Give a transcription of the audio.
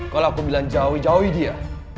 kalau aku bilang jauh jauhi dia